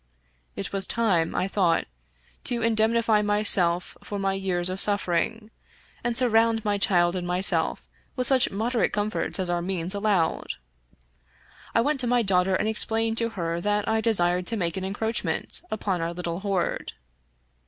It was time, I thought, to in demnify myself for my years of suffering, and surround my child and myself with such moderate comforts as our means allowed. I went to my daughter and explained to her that I desired to make an encroachment upon our little hoard.